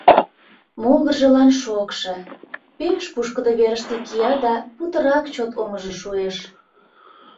Могыржылан шокшо, пеш пушкыдо верыште кия да путырак чот омыжо шуэш.